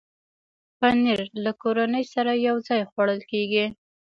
پنېر له کورنۍ سره یو ځای خوړل کېږي.